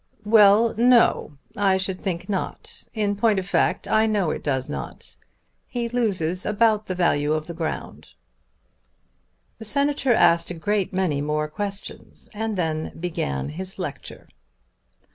"Well, no; I should think not. In point of fact I know it does not. He loses about the value of the ground." The Senator asked a great many more questions and then began his lecture.